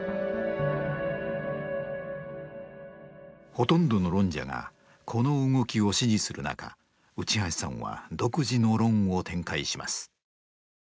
ほとんどの論者がこの動きを支持する中内橋さんは独自の論を展開します。